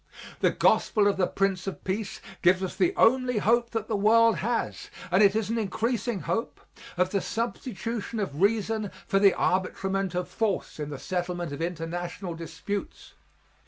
The Gospel of the Prince of Peace gives us the only hope that the world has and it is an increasing hope of the substitution of reason for the arbitrament of force in the settlement of international disputes.